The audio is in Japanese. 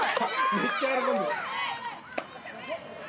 めっちゃ喜んでる。